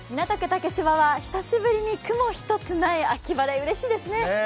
竹芝は久しぶりに雲１つない秋晴れうれしいですね。